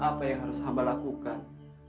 apa yang harus hamba lakukan